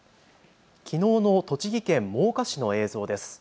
きのうの栃木県真岡市の映像です。